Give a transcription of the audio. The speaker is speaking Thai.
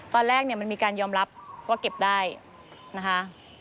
ตอนแรกเนี่ยมันมีการยอมรับว่าเก็บได้นะคะ